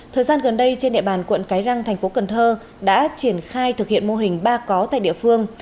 thời gian gần đây trên địa bàn quận cái răng thành phố cần thơ đã triển khai thực hiện mô hình ba có tại địa phương